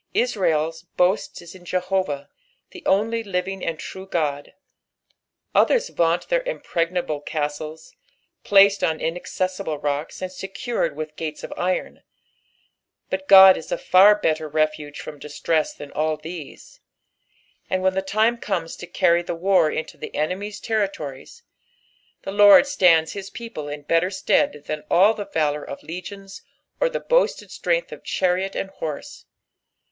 Israel's boast is in Jeborah, the ool; livinff and true God. Others vaunt their impreg nable oaatles, placed on luaccessiDle rocks, and secured with gates of iron, but God is a far better refuge from distress than all these: aad Khen the time eoinea to carry the war into the enemy's territories, the Lord stands his people in better stead than all tlie valour of legions or tiic boosted stren^h of cnariot and horse.